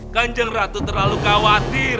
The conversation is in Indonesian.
ganjeng ratu terlalu khawatir